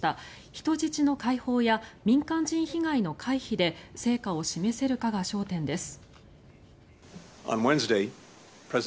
人質の解放や民間人被害の回避で成果を示せるかが焦点です。